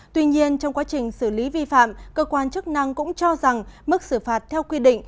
tuy nhiên trong quá trình xử lý vi phạm cơ quan chức năng cũng cho rằng mức xử phạt theo quy định